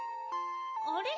あれ？